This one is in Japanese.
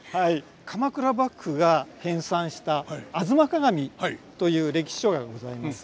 鎌倉幕府が編さんした「吾妻鏡」という歴史書がございます。